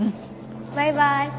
バイバイ。